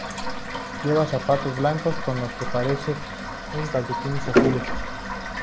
Lleva zapatos blancos con lo que parecen calcetines azules.